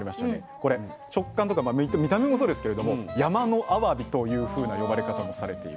これ食感とか見た目もそうですけれど「山のあわび」というふうな呼ばれ方もされているという。